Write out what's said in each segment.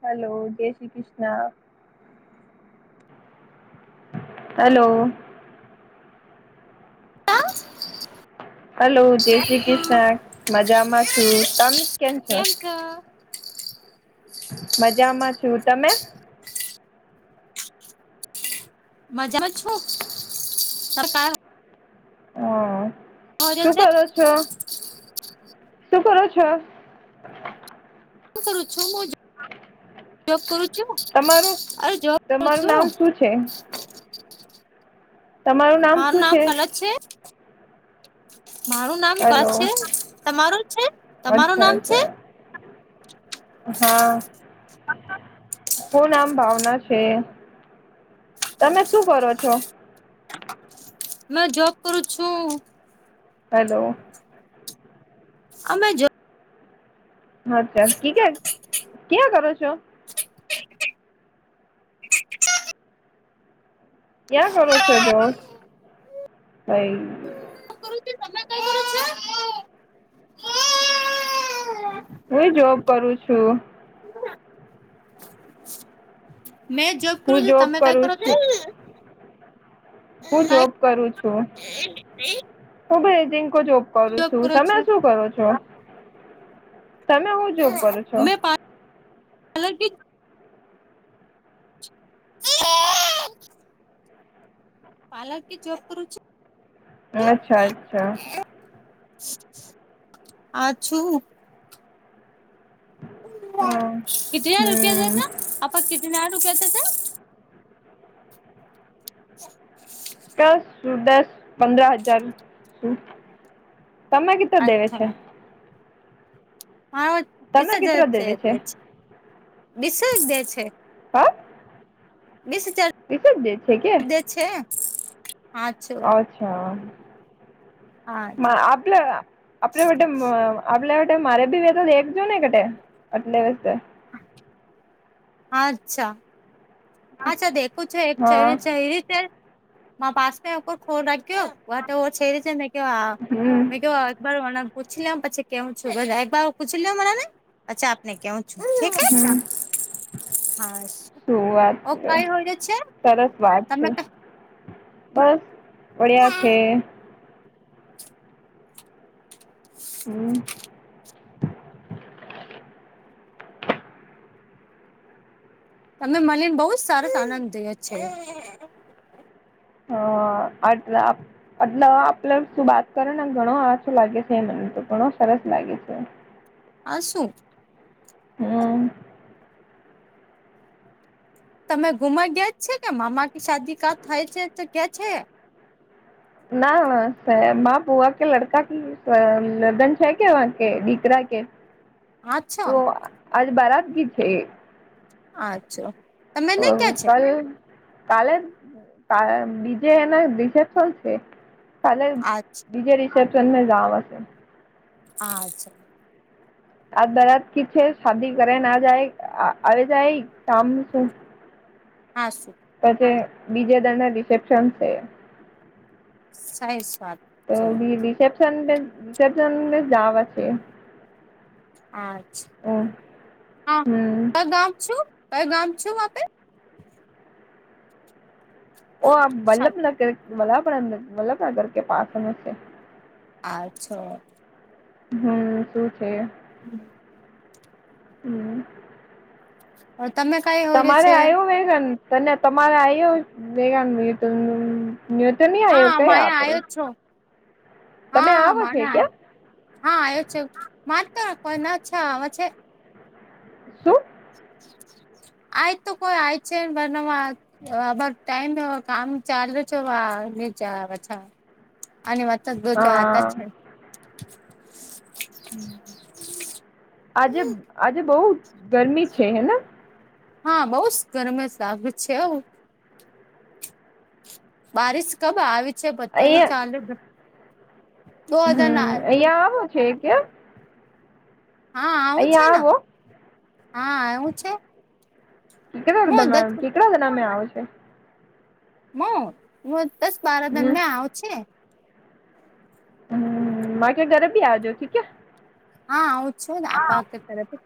Hello જય Shri Krishna. Hello. [unintelligible] Hello જય શ્રી કૃષ્ણ મજામાં છું તમે. કેમ છો. મજામાં છું તમે. મજામાં છું. હ કર્યો શું છે કરો છો શું કરો છો. કરું છો જ. હા. ઉપયોગ કરુ છું. તમારું અરે જોબ કરું તમારું છું નામ શું છે. મારું નામ કલસ છે. મારું નામ ક હલો છે તમારું છે તમારું અચ્છા નામ છે. અચ્છા હા કો નામ ભાવના છે. તમે શું કરો છો. મે જોબ કરુ છું. હલો. અમે જો. અચ્છા ક કે ક્યાં કરો છો. ક્યાં કરો છો જોબ ભાઈ. તમે કઈ કરો છો. હુંય જોબ કરું છું. મેં જોબ કરુ હું છું જોબ તમે કઈ કરું કરો છો. છું હું જોબ કરું છું [unintelligible] હું ભાઈ જેન્કો જોબ કરું છું કરો તમે છો શું કરો છો. તમે હું જોબ કરો છો. અલર કે. [unintelligible] પાર્લર કે જોબ કરુ છું. અચ્છા અચ્છા. આ છું. હા. ક હજાર રૂપિયા હમ છે છે આપ કટ હજાર રૂપિયા છે સર. [unintelligible] દસ દસ પંદર હજાર તમે કેટલા દેવે છે. મા બીસ તમે હજાર કેટલા જ છે દેવે બીસ જ દે છે. હં. બીસ હજાર દે છે હાછો. અચ્છા હા આપલા આપ વ. આપડ માટે મારે ભી વે તો એકજ ને કેટે આટલે વસ્તે. અચ્છા. અચ્છા દેખું છું એક હા ચહેરી છે મા પાસ ઓર ફોન રાખ્યો. વા તો છેરી છે મે કેવા હમ મે કેવા બરો મને પૂછી લઉં પછી કેવું છું બધા એક બાર પૂછી લઉં બધાને? અચ્છા આપને કેવું છું ઠીક હે, હમ હાશ. શું વાત છે, સરસ વાત તમે છે. બસ બળિયા છે. હમ તમને મલી ને બહુ જ સરસ આનંદ થયો છે. હહ આટલા એટલે આપડ શું વાત કરે ને ઘણો આછો લાગે છે મને તો. ઘણો સરસ લાગ્યો સે. આ શું? હમ તમે ગુમાઈ ગયા જ છે કે મામા કે શાદી કા થાય છે તો ત્યાં છે? ના મા સે બુવા કે લડકા કી અ લગન છે કે વહા કે દીકરા કે આછો તો આજ બારત બી છે. અચ્છો. તો કલ કાલે બીજે એના બીજે શું છે? કાલે બીજે રિસેપ્શન મે જાવાનો છે. અચ્છા. આજ બારાત કી છે, શાદી ઘરે ના જાય આવે જાય કામનું શું. હાસું. પછી બીજે દર ના રિસેપ્શન છે. સાહે સ્વાદ તો રિસેપશન રિસેપશન જાવે છે. આચ્છ હમ હા પગ આમ છું, પગ આમ છું આપે. ઓ આપ વલ્લભનગર વલ્લભ વલ્લભનગર કે પાછનું છે. આચ્છ. હમ શું છે? હમ હમ હવે તમે કઈ હોર્યો તમારે છે આવ્યો વેગન તને તમારે આવ્યો વેગન [inaudible] મેં તો નહીં આયો હા કયા મારે આપરે આવ્યો છો તમે હા આવ છો માને ક્યાં? હા આયો છ માત્ર કોના છ આવે છે. શું? આ તો કોઈ આય છે વર નાવા આમાર ટાઈમ કામ ચાલુ છો વા નીચે આવે છે. આની વાત જ ગોતો આતા હા છે. હમ આજે આજે બહુ ગરમી છે હેન? હા બઉ ગરમ સાક છે આવું. બારીશ કબ આવે છે પતો નહીં અહિયાં ચાલું હમ અહિયાં આવ છ કેમ? હા આવું છે અહિયાં ને, આવો હા આવું છે. કેટલા મો દસ બધ કેટલા જના મે આવે છે? મું મું દસ બાર હમ દિનમેં આવુ છે. હમ માયકા ઘરે બી આવજો ઠીક હે. હા આવું જ છે ને આ પાકે ઘરે બી.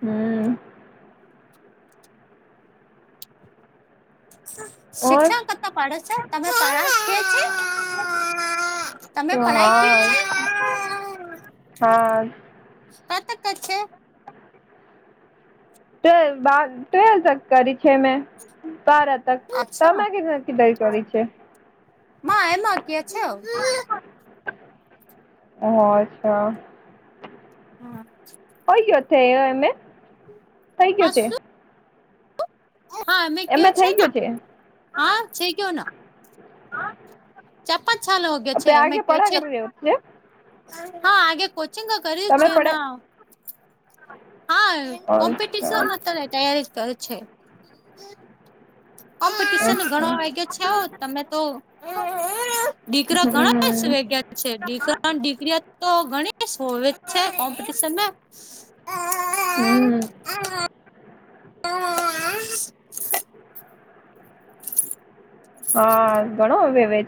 હમ ઓર શિક્ષણ કરતા પાડો છે તમે [unintelligible] છે તમે હા પઢાઈ [unintelligible] છે હા કત કર છે [unintelligible] ક દઈ અચ્છા કરી છે મા એમાંકીઆ છે આવ ઓ અચ્છા હા થઈ ગયો છે એમે થઈ ગયો છે શું હા અમે એમે કયો છે થઈ ને ગયો હા છે કયો ના હા કરી [unintelligible] રહ્યો છે હા આગે કોચિંગ કર્યું જ તમે છે પડે ના હા અચ્છા કોમ્પિટિશન અત્યારે તૈયારી કર છે કોમ્પિટશન ઘણો અચ્છા વાગ્યો છે તમે તો હમ [unintelligible] તો ગણેશ હોવે છે કોમ્પિટશનમાં હમ આ [unintelligible] હા ઘણો આવે અવેજ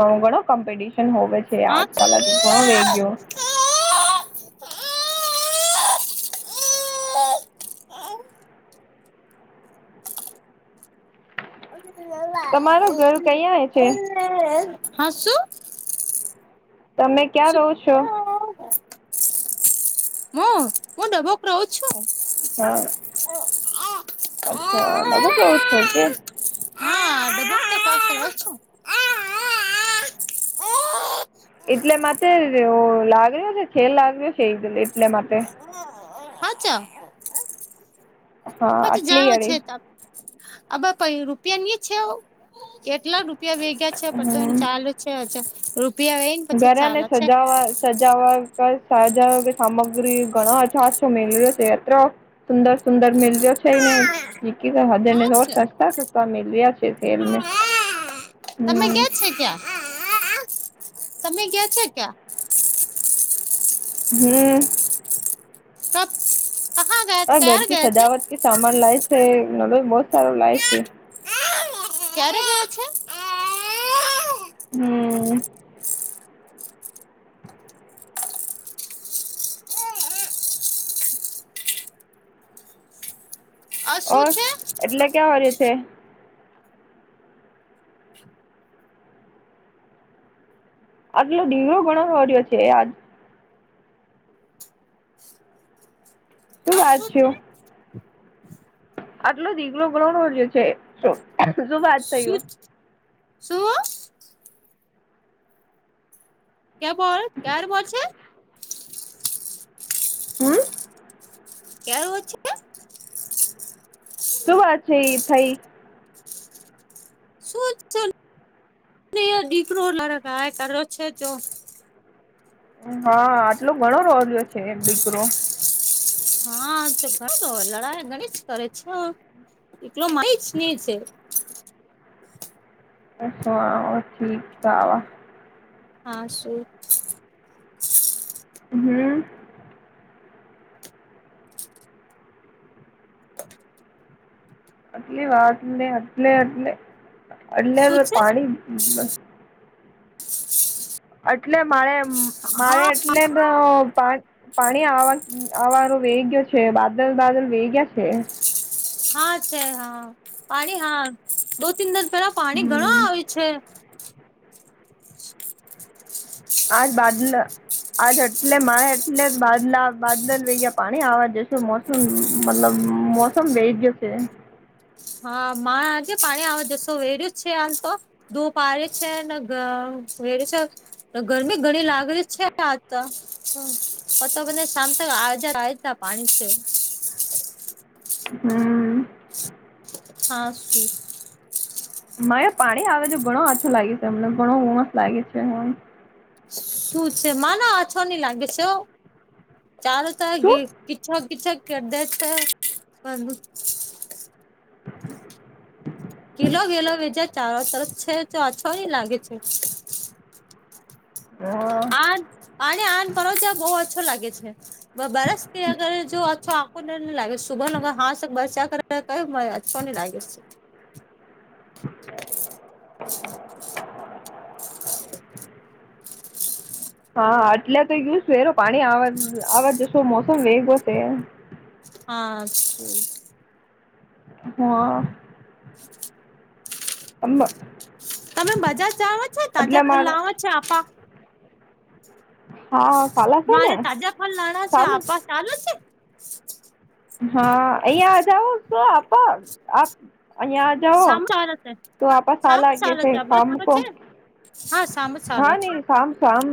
ઘણો ઘણો કોમ્પિટિશન હોય છે આજકાલ તો ઘણો વે ગયો હા તમારું ઘર કયાં છે હસું તમે ક્યાં શું રહો [unintelligible] છો રોઉં છું હા અચ્છા ડબો રહો છો કે હા [unintelligible] એટલે માટે લાગ રહ્યો છે છે લાગ રહ્યો છે એ એટલે માટે હા ચ હા પત આટલી જાઓ છે અડી ત આબ પહી રૂપિયાની છે કેટલા રૂ રૂપિયા ભેગયા છે પ તો એની હમ ચાલ છે રૂપિયા એઈ ને પછી ચાલે છે [unintelligible] સુંદર સુંદર મિલ હા છે [unintelligible] તમે ગ્યા તમે ગયા છે ક્યાં હમ ત આહા હ ઘર ક સજાવટ ક સામાન લાય છે નલો બહત સારું લાય છે ક્યારે જવો છે હમ આ ઓ શું છે એટલે ક્યાં વાળે છે આટલો ધીરો ઘણો ઓડિયો છે આજ શું વાત છું આટલો દીકલો ઘણ નજ છે શું વાત થયું શું કયા બોલ ક્યાર પો છે હમ. ક્યારે વચ્ચે. શું વાત છે થઈ. શું દીકરો લરે હ કર્યો છે તો હા આટલો ઘણો રોજ્યો છે દીકરો. હા તો લડાઈ ગણી જ કરે છે નો માહીજ ને છે. અચ્છ ઠીક વા આ શુ હમ. આટલી વાત ને એટલે એટલે શું એટલે છે પાણી એટલા માળે હા પણ એટલુ પાણી પાણી આવાનુ વહીં ગયું છે બાદલ બાદલ વહીં ગયા છે. હા છે હા પાણી હા દો તન દસ પેલા પાણી ઘણા હમ આવે છે. આજ બાદલ નું મોસમ નથી. આજ એટલે મારે એટલા બાદલા બાદલ પાણી આવે છે. મતલબ મોસમ શાંત છે. હા મા આજે પાણી આવી જસે ઘરે જ છે હાલ તમે દો પાારે છે પાણી અને વેરે છે. ગરમી ઘણી લાગી છે આજ તો શામ તક આ જાયેગા વરસાદ પાણી છે. હમ. હા શુ. મારે પાણી આવે છે ઘણો આછું લાગે છે હમને ઘણો આનંદ લાગે છે. શું છે મા વરસાદ નો ઘણો આનંદ શું? આવે છે. કેદ તો બંધ કિલો વેલો વીજા ચારો તરફ છે તો આછો નઈ લાગે છે. હા. આને મા પરસ આને બહુ ઓછું લાગે છે. બરસ કે અગર જો અછો આંખ ન લાગે સુભન અગ હાથ ત બરસ કોને લાગી છે. હા આટલા તો એ ગયું સહેરો પાણીવા આવવા જશો મોસમ વેગો છે. હાસ. હા. તમે બજાર જવાના છો એટલે તાજા ફળ મારે લાવવાના છો. અત્યારે હા સાલા છે ને મારે તાજા ફળ લાવવાના છે સામે આપા ચાલુ છે. હા અહિયાં આજાાવ શું આપ અહિયાં આજાવ. સામ ચાલે છે તો આપપસ આ સામ લાગે ચાલે ફ છે કામ બધું કો છે હા સારૂ. હા નહી શામ શામ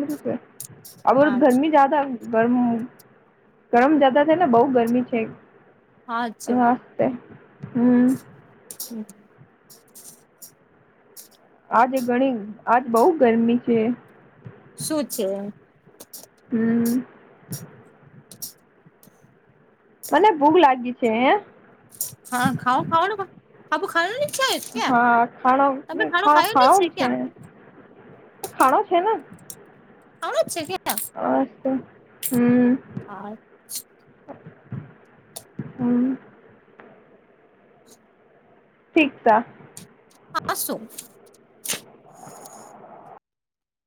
અહીં હા ગરમી જ્યાદા ગરમ જતા છે ને બહુ ગરમી છે. હા છે હાસતે હમ. હમ. આજ ઘણી આજ બઉ ગરમી છે. શું છે. હમ. મને ભૂખ લાગી છે. હા ખાઉ ખાાવને સબ ખાય હા ખાડો ખ ખાયું ની ખા છે ક્યાં ખાડો છે ને આવ છે કે અસ હમ હા હમ ઠીક થા. આ શું?